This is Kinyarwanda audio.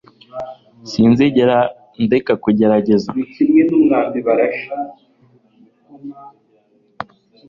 Sinzigera ndeka kugerageza